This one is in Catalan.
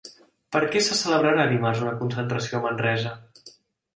Per què se celebrarà dimarts una concentració a Manresa?